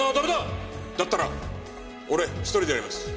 だったら俺一人でやります。